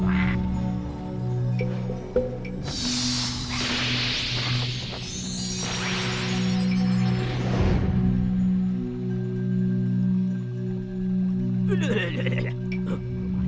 masa ini kita harus mencari dia